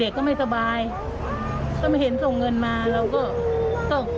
เด็กก็ไม่สบายก็ไม่เห็นส่งเงินมาเราก็